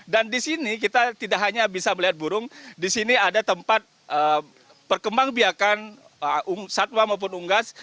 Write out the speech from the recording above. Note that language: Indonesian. dan di sini kita tidak hanya bisa melihat burung di sini ada tempat perkembang biakan satwa maupun unggas